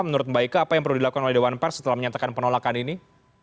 menurut mbak ika apa yang perlu dilakukan oleh dewan pers setelah menyatakan penolakan ini